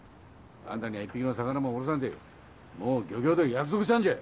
あんたには１匹の魚も卸さんてもう漁協と約束したんじゃ！